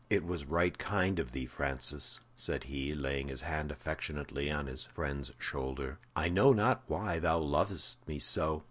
"It was right kind of thee, Francis," said he, laying his hand affectionately on his friend's shoulder. "I know not why thou lovest me so."